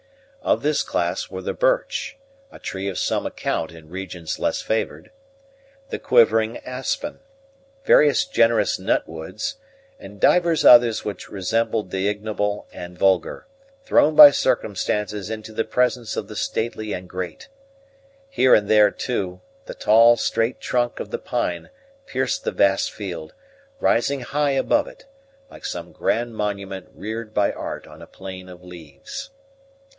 Of this class were the birch, a tree of some account in regions less favored, the quivering aspen, various generous nut woods, and divers others which resembled the ignoble and vulgar, thrown by circumstances into the presence of the stately and great. Here and there, too, the tall straight trunk of the pine pierced the vast field, rising high above it, like some grand monument reared by art on a plain of leaves.